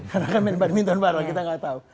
karena kan main badminton bareng kita gak tau